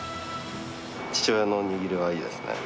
父親の握りはいいですね。